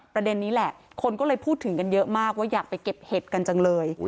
ประเด็นนี้แหละคนก็เลยพูดถึงกันเยอะมากว่าอยากไปเก็บเห็ดกันจังเลย